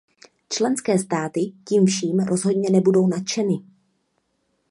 Členské státy tím vším rozhodně nebudou nadšeny.